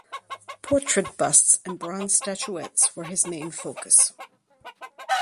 Portrait busts and bronze statuettes were his main focus.